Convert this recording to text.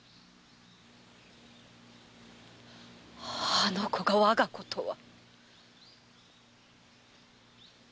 あの子が我が子とは。